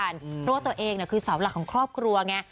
เพราะว่าตัวเองคือเสาหลักของครอบครัวไง